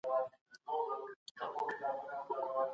ولسمشر هوایي حریم نه بندوي.